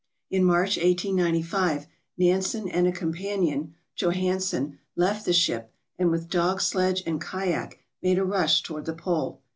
In March, 1895, Nansen and a companion, Johannesen, left the ship and with dog sledge and kayak made a rush toward the pole.